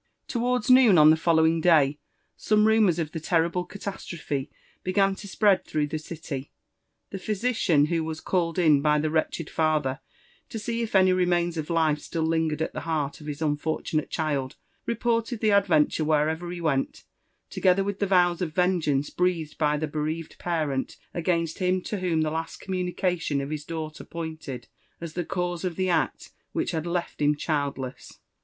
Towards noon en the following day, seme rnmours of die tertlbia catastrophe began to spread through the city. The physician who was called in by the wretched father to see if any remains of life still Ud* gered at the heart of his unfortunate child, reported the adventure wherever he went, together with the vows of vengeance breathed by the bereaved parent against him to whom tte last communieation of his daughter pointed as the cause of the act which had left him child* less.